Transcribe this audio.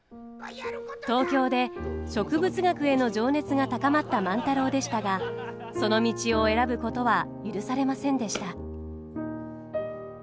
東京で植物学への情熱が高まった万太郎でしたがその道を選ぶことは許されませんでした。